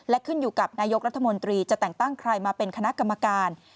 และขึ้นอยู่กับนายกรัฐมนตรีจะแต่งตั้งใครมาเป็นคณะกรรมการ